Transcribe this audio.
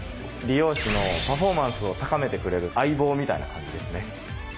理容師のパフォーマンスを高めてくれる相棒みたいな感じですね。